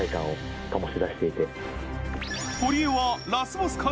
堀江はラスボス感